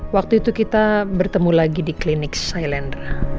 waktu itu kita bertemu lagi di klinik silendra